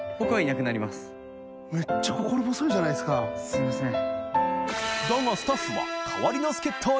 すみません。